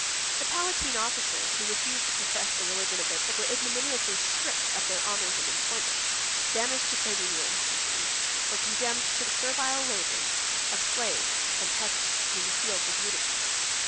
99 The palatine officers, who refused to profess the religion of their prince, were ignominiously stripped of their honors and employments; banished to Sardinia and Sicily; or condemned to the servile labors of slaves and peasants in the fields of Utica.